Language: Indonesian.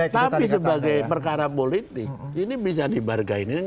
tapi sebagai perkara politik ini bisa dibargain